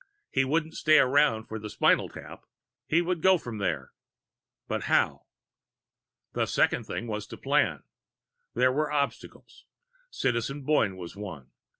He wouldn't stay around for the spinal tap; he would go from there. But how? The second thing was to plan. There were obstacles. Citizen Boyne was one.